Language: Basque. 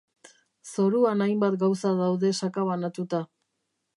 Zoruan hainbat gauza daude sakabanatuta.